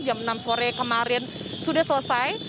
jam enam sore kemarin sudah selesai